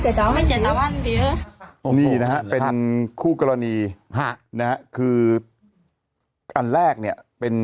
กิมจูงเพื่อพะนี้คือจะดึงมาค่ะอืมขอมันนังแก็บ